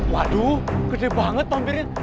waduh gede banget pampirnya